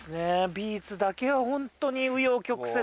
ビーツだけはホントに紆余曲折。